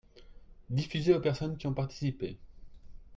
Diffuser aux personnes qui ont participé.